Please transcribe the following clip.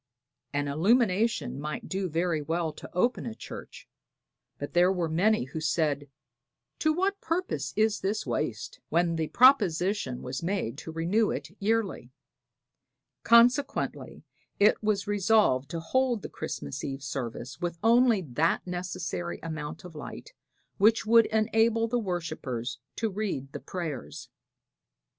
An illumination might do very well to open a church, but there were many who said "to what purpose is this waste?" when the proposition was made to renew it yearly. Consequently it was resolved to hold the Christmas Eve service with only that necessary amount of light which would enable the worshipers to read the prayers.